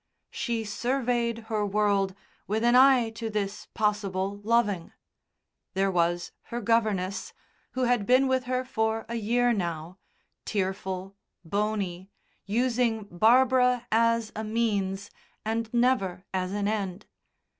She surveyed her world with an eye to this possible loving. There was her governess, who had been with her for a year now, tearful, bony, using Barbara as a means and never as an end.